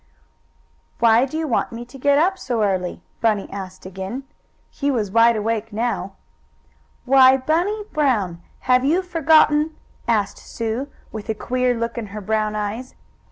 "Why do you want me to get up so early?" Bunny asked again. He was wide awake now. "Why, Bunny Brown! Have you forgotten?" asked Sue, with a queer look in her brown eyes.